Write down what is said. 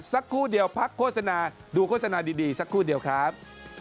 สักครู่เดียวพักโฆษณาดูโฆษณาดีสักครู่เดียวครับ